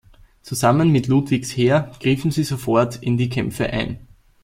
Zusammen mit Ludwigs Heer griffen sie sofort in die Kämpfe ein.